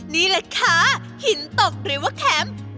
นี่แหละค่ะหินตกหรือว่าแคมป์